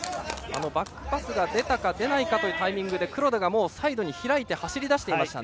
バックパスが出たか出ないかというタイミングで黒田が走り出していました。